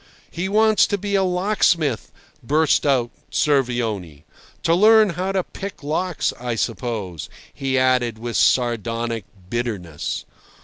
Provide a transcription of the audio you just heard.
"He wants to be a locksmith!" burst out Cervoni. "To learn how to pick locks, I suppose," he added with sardonic bitterness.